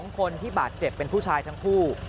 คนที่บาดเจ็บเป็นผู้ชายทั้งคู่